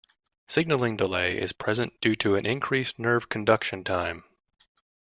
Signaling delay is present due to an increased nerve conduction time.